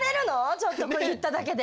ちょっとこれ言っただけで。